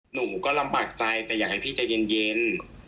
หนูก็ลำบากใจแต่อยากให้พี่ใจเย็น